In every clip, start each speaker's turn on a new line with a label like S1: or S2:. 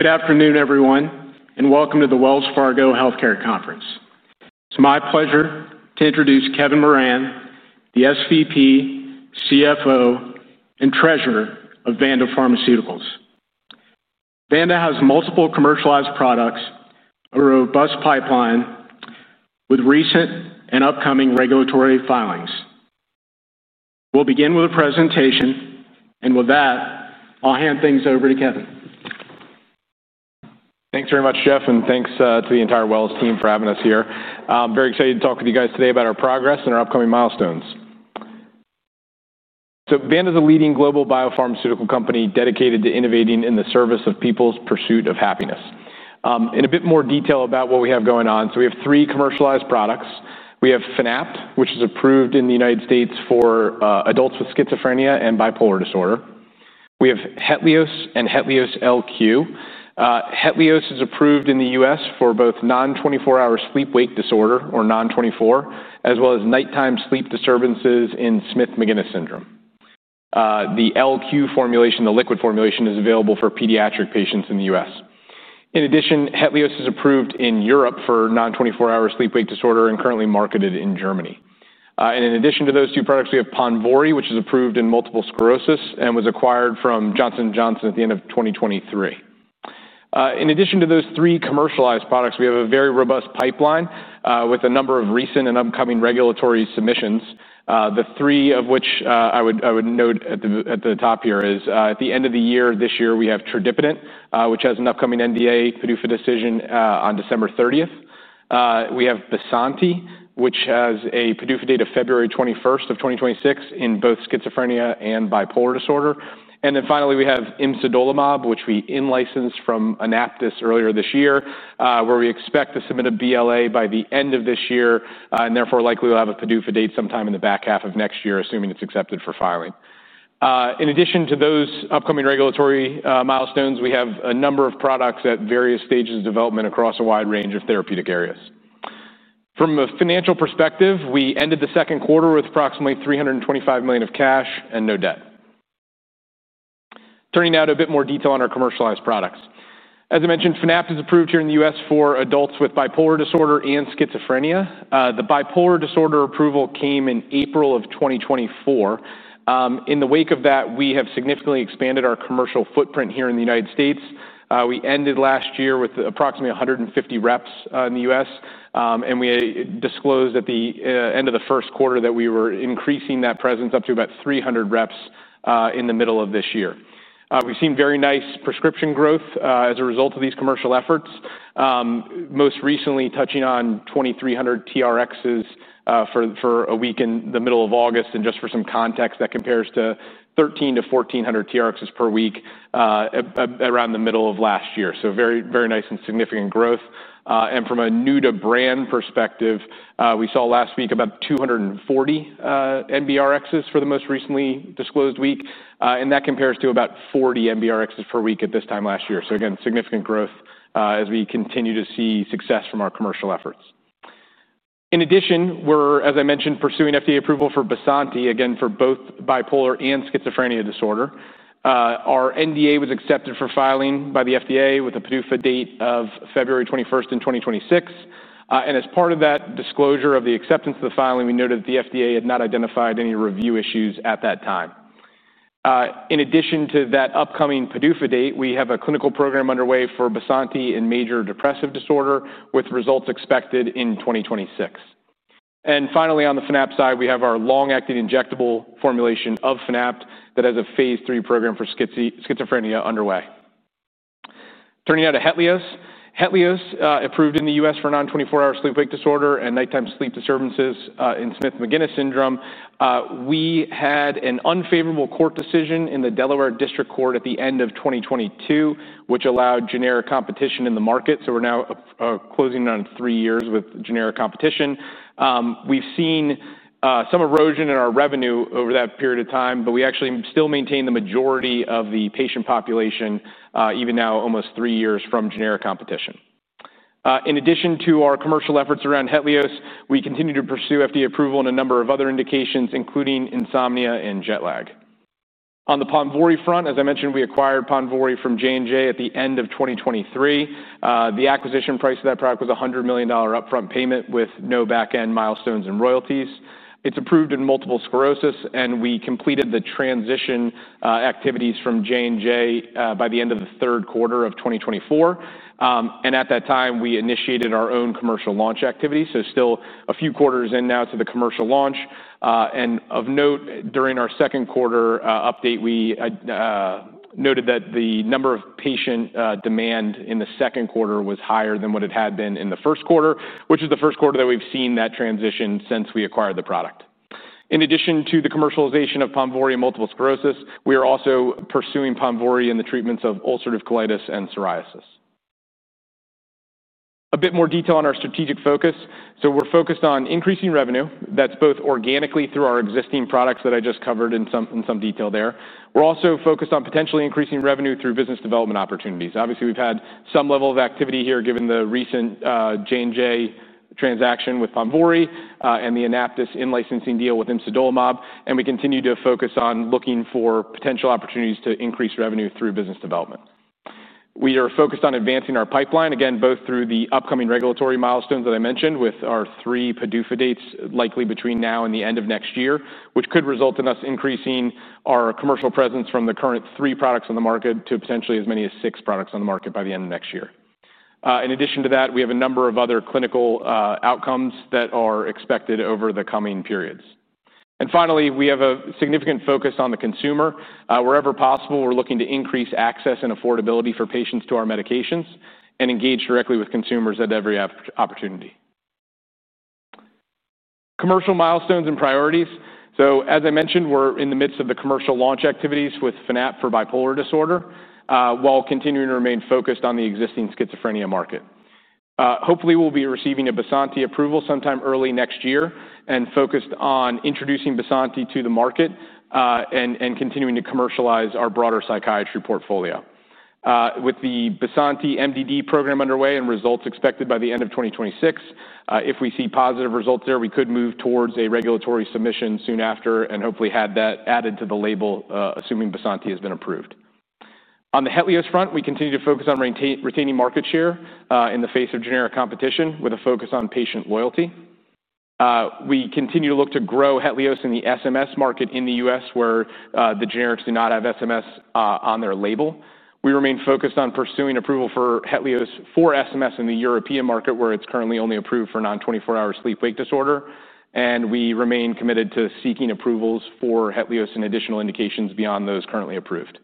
S1: Good afternoon, everyone, and welcome to the Wells Fargo Healthcare Conference. It's my pleasure to introduce Kevin Moran, the SVP, C F O, and Treasurer of Vanda Pharmaceuticals. Vanda has multiple commercialized products, a robust pipeline with recent and upcoming regulatory filings. We'll begin with a presentation, and with that, I'll hand things over to Kevin.
S2: Thanks very much, Jeff, and thanks to the entire Wells team for having us here. I'm very excited to talk with you guys today about our progress and our upcoming milestones. Vanda is a leading global biopharmaceutical company dedicated to innovating in the service of people's pursuit of happiness. In a bit more detail about what we have going on, we have three commercialized products. We have Fanapt, which is approved in the United States for adults with schizophrenia and bipolar disorder. We have Hetlioz and Hetlioz LQ. Hetlioz is approved in the United States for both non-24-hour sleep-wake disorder, or non-24, as well as nighttime sleep disturbances in Smith-Magenis syndrome. The LQ formulation, the liquid formulation, is available for pediatric patients in the US. In addition, Hetlioz is approved in Europe for non-24-hour sleep-wake disorder and currently marketed in Germany. In addition to those two products, we have Ponvory, which is approved in multiple sclerosis and was acquired from Johnson & Johnson at the end of 2023. In addition to those three commercialized products, we have a very robust pipeline with a number of recent and upcoming regulatory submissions. The three of which I would note at the top here are at the end of the year this year. We have tradipitant, which has an upcoming NDA, PDUFA decision on December 30th. We have Bysanti, which has a PDUFA date of February 21st of 2026 in both schizophrenia and bipolar disorder. Finally, we have imsidolumab, which we in-licensed from AnaptysBio earlier this year, where we expect to submit a BLA by the end of this year, and therefore likely will have a PDUFA date sometime in the back half of next year, assuming it's accepted for filing. In addition to those upcoming regulatory milestones, we have a number of products at various stages of development across a wide range of therapeutic areas. From a financial perspective, we ended the second quarter with approximately $325 million of cash and no debt. Turning now to a bit more detail on our commercialized products. As I mentioned, Fanapt is approved here in the US for adults with bipolar disorder and schizophrenia. The bipolar disorder approval came in April of 2024. In the wake of that, we have significantly expanded our commercial footprint here in the United States. We ended last year with approximately 150 reps in the U.S., and we disclosed at the end of the first quarter that we were increasing that presence up to about 300 reps in the middle of this year. We've seen very nice prescription growth as a result of these commercial efforts, most recently touching on 2,300 TRXs for a week in the middle of August. Just for some context, that compares to 1,300 - 1,400 TRXs per week around the middle of last year. Very nice and significant growth. From a new-to-brand perspective, we saw last week about 240 NBRXs for the most recently disclosed week, and that compares to about 40 NBRXs per week at this time last year. Significant growth as we continue to see success from our commercial efforts. In addition, as I mentioned, we're pursuing FDA approval for Bysanti, again for both bipolar and schizophrenia disorder. Our NDA was accepted for filing by the FDA with a PDUFA date of February 21st in 2026. As part of that disclosure of the acceptance of the filing, we noted that the FDA had not identified any review issues at that time. In addition to that upcoming PDUFA date, we have a clinical program underway for Bysanti in major depressive disorder with results expected in 2026. Finally, on the Fanapt side, we have our long-acting injectable formulation of Fanapt that has a phase III program for schizophrenia underway. Turning now to Hetlioz. Hetlioz, approved in the U.S., for non-24-hour sleep-wake disorder and nighttime sleep disturbances in Smith-Magenis syndrome. We had an unfavorable court decision in the Delaware District Court at the end of 2022, which allowed generic competition in the market. We're now closing on three years with generic competition. We've seen some erosion in our revenue over that period of time, but we actually still maintain the majority of the patient population, even now almost three years from generic competition. In addition to our commercial efforts around Hetlioz, we continue to pursue FDA approval in a number of other indications, including insomnia and jet lag. On the Ponvory front, as I mentioned, we acquired Ponvory from Johnson & Johnson at the end of 2023. The acquisition price of that product was a $100 million upfront payment with no back-end milestones and royalties. It's approved in multiple sclerosis, and we completed the transition activities from Johnson & Johnson by the end of the third quarter of 2024. At that time, we initiated our own commercial launch activity. Still a few quarters in now to the commercial launch. Of note, during our second quarter update, we noted that the number of patient demand in the second quarter was higher than what it had been in the first quarter, which is the first quarter that we've seen that transition since we acquired the product. In addition to the commercialization of Ponvory in multiple sclerosis, we are also pursuing Ponvory in the treatments of ulcerative colitis and psoriasis. A bit more detail on our strategic focus. We're focused on increasing revenue, both organically through our existing products that I just covered in some detail there. We're also focused on potentially increasing revenue through business development opportunities. Obviously, we've had some level of activity here given the recent J& J transaction with Ponvory and the AnaptysBio in-licensing deal with imsidolumab. We continue to focus on looking for potential opportunities to increase revenue through business development. We are focused on advancing our pipeline, again, both through the upcoming regulatory milestones that I mentioned with our three PDUFA dates likely between now and the end of next year, which could result in us increasing our commercial presence from the current three products on the market to potentially as many as six products on the market by the end of next year. In addition to that, we have a number of other clinical outcomes that are expected over the coming periods. Finally, we have a significant focus on the consumer. Wherever possible, we're looking to increase access and affordability for patients to our medications and engage directly with consumers at every opportunity. Commercial milestones and priorities. As I mentioned, we're in the midst of the commercial launch activities with Fanapt for bipolar disorder while continuing to remain focused on the existing schizophrenia market. Hopefully, we'll be receiving a Bysanti approval sometime early next year and focused on introducing Bysanti to the market and continuing to commercialize our broader psychiatry portfolio. With the Bysanti major depressive disorder program underway and results expected by the end of 2026, if we see positive results there, we could move towards a regulatory submission soon after and hopefully have that added to the label, assuming Bysanti has been approved. On the Hetlioz front, we continue to focus on retaining market share in the face of generic competition with a focus on patient loyalty. We continue to look to grow Hetlioz in the SMS market in the U.S., where the generics do not have SMS on their label. We remain focused on pursuing approval for Hetlioz for SMS in the European market where it's currently only approved for non-24-hour sleep-wake disorder. We remain committed to seeking approvals for Hetlioz in additional indications beyond those currently approved.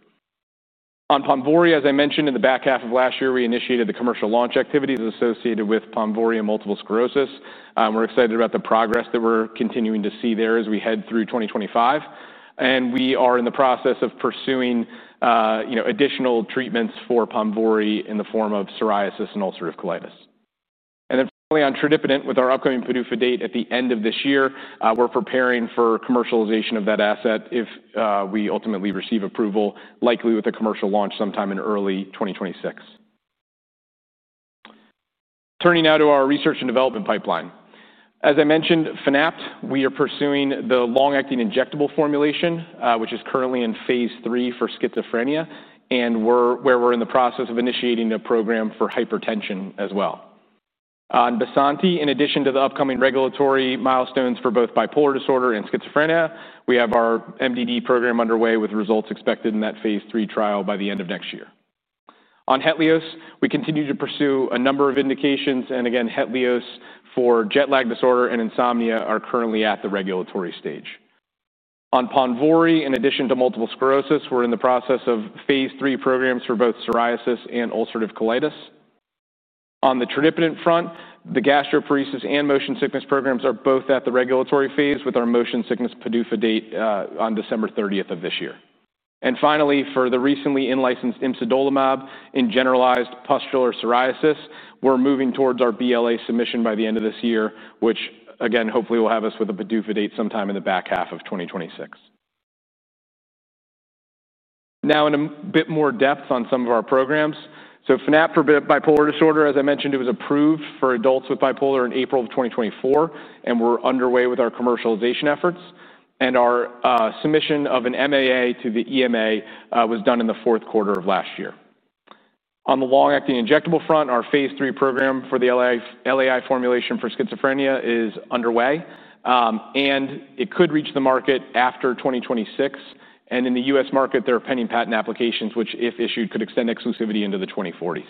S2: On Ponvory, as I mentioned, in the back half of last year, we initiated the commercial launch activities associated with Ponvory in multiple sclerosis. We're excited about the progress that we're continuing to see there as we head through 2025. We are in the process of pursuing additional treatments for Ponvory in the form of psoriasis and ulcerative colitis. Finally, on tradipitant, with our upcoming PDUFA date at the end of this year, we're preparing for commercialization of that asset if we ultimately receive approval, likely with a commercial launch sometime in early 2026. Turning now to our research and development pipeline. As I mentioned, Fanapt, we are pursuing the long-acting injectable formulation, which is currently in phase III for schizophrenia, and we're in the process of initiating a program for hypertension as well. On Bysanti, in addition to the upcoming regulatory milestones for both bipolar disorder and schizophrenia, we have our major depressive disorder program underway with results expected in that phase III trial by the end of next year. On Hetlioz, we continue to pursue a number of indications, and again, Hetlioz for jet lag disorder and insomnia are currently at the regulatory stage. On Ponvory, in addition to multiple sclerosis, we're in the process of phase III programs for both psoriasis and ulcerative colitis. On the tradipitant front, the gastroparesis and motion sickness programs are both at the regulatory phase with our motion sickness PDUFA date on December 30th of this year. Finally, for the recently in-licensed imsidolumab in generalized pustular psoriasis, we're moving towards our BLA submission by the end of this year, which again, hopefully will have us with a PDUFA date sometime in the back half of 2026. Now, in a bit more depth on some of our programs. Fanapt for bipolar disorder, as I mentioned, it was approved for adults with bipolar in April of 2024, and we're underway with our commercialization efforts. Our submission of an MAA to the EMA was done in the fourth quarter of last year. On the long-acting injectable front, our phase III program for the LAI formulation for schizophrenia is underway, and it could reach the market after 2026. In the U.S., market, there are pending patent applications, which, if issued, could extend exclusivity into the 2040s.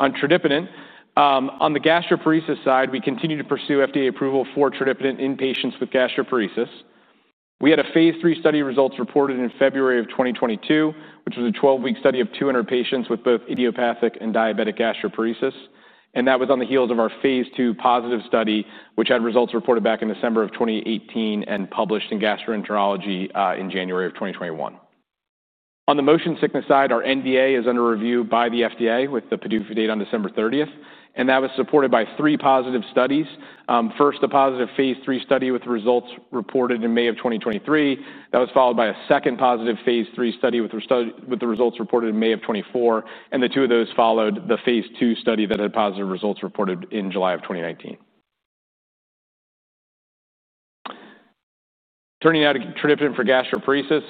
S2: On tradipitant, on the gastroparesis side, we continue to pursue FDA approval for tradipitant in patients with gastroparesis. We had a phase III study results reported in February of 2022, which was a 12-week study of 200 patients with both idiopathic and diabetic gastroparesis. That was on the heels of our phase II positive study, which had results reported back in December of 2018 and published in gastroenterology in January of 2021. On the motion sickness side, our NDA is under review by the FDA with the PDUFA date on December 30th, and that was supported by three positive studies. First, a positive phase III study with results reported in May of 2023. That was followed by a second positive phase III study with the results reported in May of 2024. The two of those followed the phase II study that had positive results reported in July of 2019. Turning now to tradipitant for gastroparesis.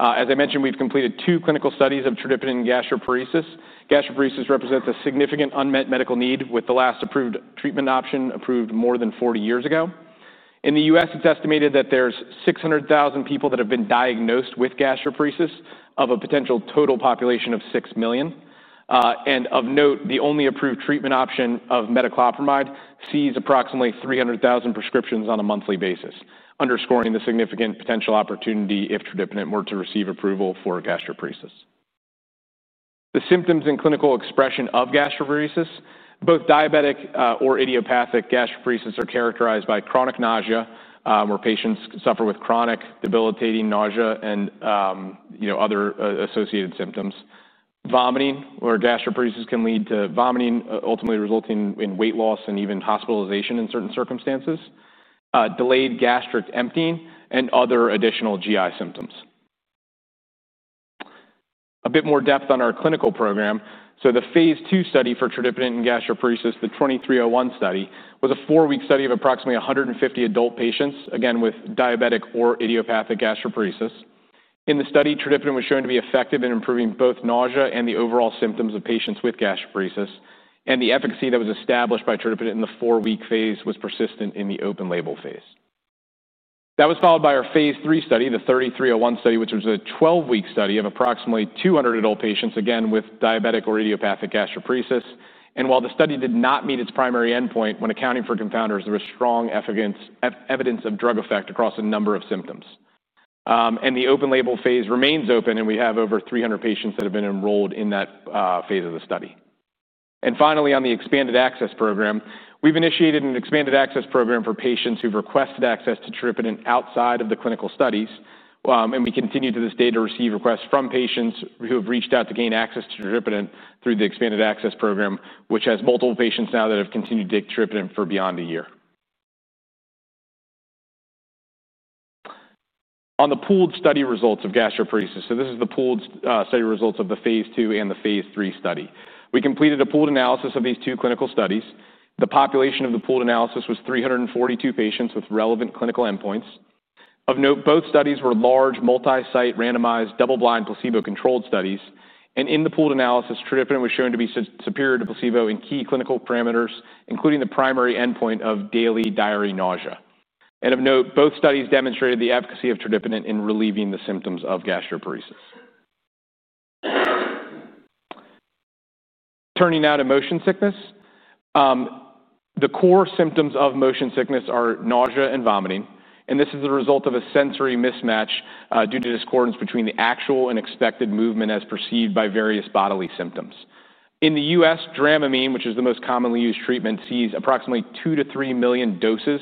S2: As I mentioned, we've completed two clinical studies of tradipitant in gastroparesis. Gastroparesis represents a significant unmet medical need, with the last approved treatment option approved more than 40 years ago. In the U.S., it's estimated that there's 600,000 people that have been diagnosed with gastroparesis of a potential total population of 6 million. Of note, the only approved treatment option of metoclopramide sees approximately 300,000 prescriptions on a monthly basis, underscoring the significant potential opportunity if tradipitant were to receive approval for gastroparesis. The symptoms and clinical expression of gastroparesis, both diabetic or idiopathic gastroparesis, are characterized by chronic nausea, where patients suffer with chronic debilitating nausea and other associated symptoms. Vomiting, where gastroparesis can lead to vomiting, ultimately resulting in weight loss and even hospitalization in certain circumstances. Delayed gastric emptying and other additional GI symptoms. A bit more depth on our clinical program. The phase II study for tradipitant in gastroparesis, the 2301 study, was a four-week study of approximately 150 adult patients, again with diabetic or idiopathic gastroparesis. In the study, tradipitant was shown to be effective in improving both nausea and the overall symptoms of patients with gastroparesis. The efficacy that was established by tradipitant in the four-week phase was persistent in the open-label phase. That was followed by our phase III study, the 3301 study, which was a 12-week study of approximately 200 adult patients, again with diabetic or idiopathic gastroparesis. While the study did not meet its primary endpoint, when accounting for confounders, there was strong evidence of drug effect across a number of symptoms. The open-label phase remains open, and we have over 300 patients that have been enrolled in that phase of the study. Finally, on the expanded access program, we've initiated an expanded access program for patients who've requested access to tradipitant outside of the clinical studies. We continue to this day to receive requests from patients who have reached out to gain access to tradipitant through the expanded access program, which has multiple patients now that have continued to take tradipitant for beyond a year. On the pooled study results of gastroparesis, this is the pooled study results of the phase II and the phase III study. We completed a pooled analysis of these two clinical studies. The population of the pooled analysis was 342 patients with relevant clinical endpoints. Of note, both studies were large, multi-site, randomized, double-blind, placebo-controlled studies. In the pooled analysis, tradipitant was shown to be superior to placebo in key clinical parameters, including the primary endpoint of daily diary nausea. Of note, both studies demonstrated the efficacy of tradipitant in relieving the symptoms of gastroparesis. Turning now to motion sickness. The core symptoms of motion sickness are nausea and vomiting. This is the result of a sensory mismatch due to discordance between the actual and expected movement as perceived by various bodily symptoms. In the U.S., Dramamine, which is the most commonly used treatment, sees approximately 2 to 3 million doses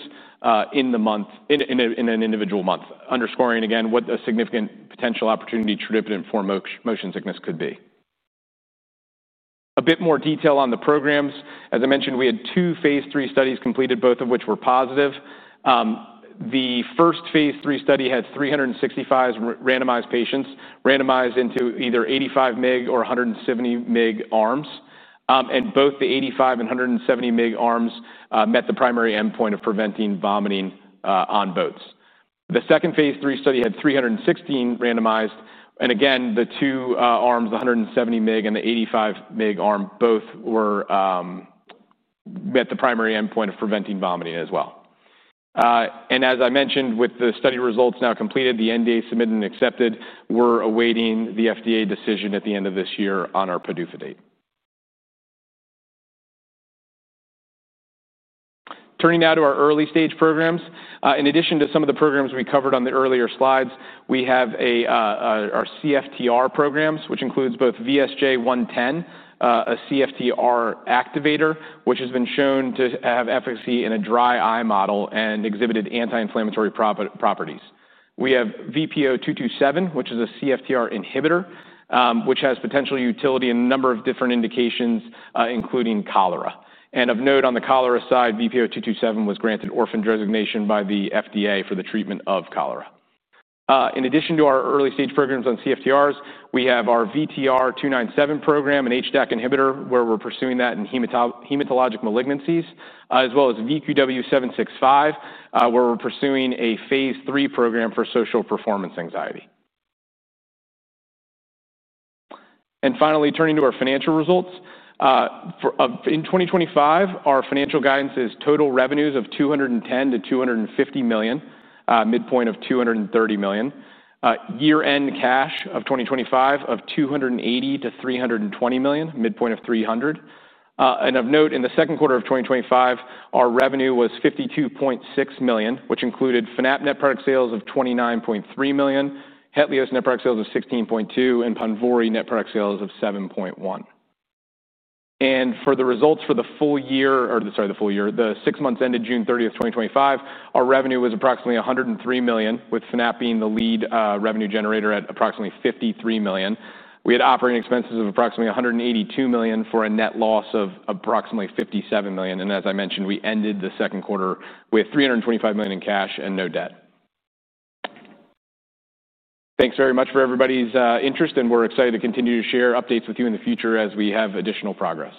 S2: in an individual month, underscoring again what a significant potential opportunity tradipitant for motion sickness could be. A bit more detail on the programs. As I mentioned, we had two phase III studies completed, both of which were positive. The first phase III study had 365 patients randomized into either 85 mg or 170 mg arms. Both the 85 mg and 170 mg arms met the primary endpoint of preventing vomiting on boats. The second phase III study had 316 randomized, and again, the two arms, the 170 mg and the 85 mg arm, both met the primary endpoint of preventing vomiting as well. As I mentioned, with the study results now completed, the NDA submitted and accepted, we're awaiting the FDA decision at the end of this year on our PDUFA date. Turning now to our early-stage programs. In addition to some of the programs we covered on the earlier slides, we have our CFTR programs, which include both VSJ110, a CFTR activator, which has been shown to have efficacy in a dry eye model and exhibited anti-inflammatory properties. We have VPO-227, which is a CFTR inhibitor, which has potential utility in a number of different indications, including cholera. Of note, on the cholera side, VPO-227 was granted orphan designation by the FDA for the treatment of cholera. In addition to our early-stage programs on CFTRs, we have our VTR297 program, an HDAC inhibitor, where we're pursuing that in hematologic malignancies, as well as VQW-765, where we're pursuing a phase III program for social performance anxiety. Finally, turning to our financial results. In 2025, our financial guidance is total revenues of $210 million to $250 million, midpoint of $230 million. Year-end cash of 2025 of $280 million- $320 million, midpoint of $300 million. Of note, in the second quarter of 2025, our revenue was $52.6 million, which included Fanapt net product sales of $29.3 million, Hetlioz net product sales of $16.2 million, and Ponvory net product sales of $7.1 million. For the results for the full year, or sorry, the full year, the six months ended June 30th, 2025, our revenue was approximately $103 million, with Fanapt being the lead revenue generator at approximately $53 million. We had operating expenses of approximately $182 million for a net loss of approximately $57 million. As I mentioned, we ended the second quarter with $325 million in cash and no debt. Thanks very much for everybody's interest, and we're excited to continue to share updates with you in the future as we have additional progress.